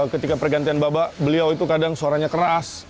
ketika pergantian babak beliau itu kadang suaranya keras